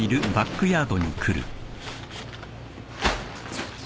ちょっと。